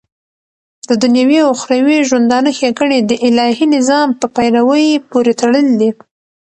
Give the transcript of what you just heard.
ددنيوي او اخروي ژوندانه ښيګڼي دالهي نظام په پيروۍ پوري تړلي دي